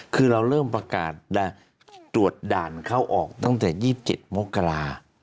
คือเราเริ่มประกาศตรวจด่านเข้าออกตั้งแต่๒๗มกรา